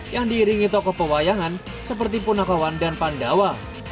yang diiringi tokoh pewayangan seperti punakawan dan pandawa